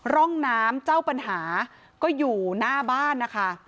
ร่องน้ำเจ้าปัญหาก็อยู่หน้าบ้านนะคะ